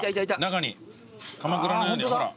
かまくらのようにほら。